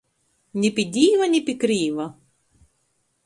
Ni pi Dīva, ni pi krīva!